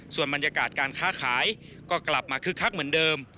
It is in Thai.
ส่วนบรรยากาศการค้าขายก็กลับมาคึกคักเหมือนเดิม